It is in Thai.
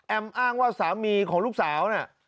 อ้างว่าสามีของลูกสาวน่ะ